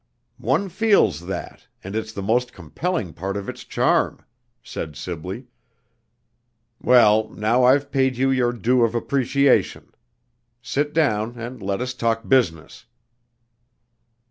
"One feels that, and it's the most compelling part of its charm," said Sibley. "Well, now I've paid you your due of appreciation. Sit down, and let us talk business."